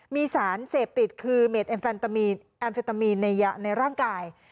มีสารเสพติดคือดแอมเฟตามีนในร่างกาย